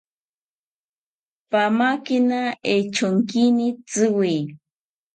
Pamakina echonkini tziwi